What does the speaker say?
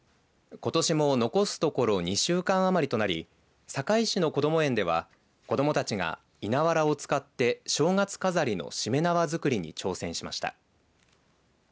ことしも残すところ２週間余りとなり坂井市のこども園では子どもたちが稲わらを使って正月飾りのしめ縄作りに挑戦しました。